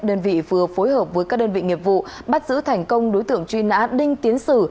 đơn vị vừa phối hợp với các đơn vị nghiệp vụ bắt giữ thành công đối tượng truy nã đinh tiến sử